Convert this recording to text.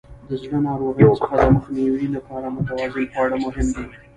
د زړه ناروغیو څخه د مخنیوي لپاره متوازن خواړه مهم دي.